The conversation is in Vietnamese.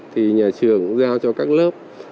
thì nhà trường giao cho các lớp